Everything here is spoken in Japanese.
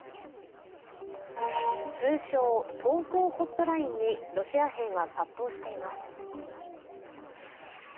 通称・投稿ホットラインにロシア兵が殺到しています。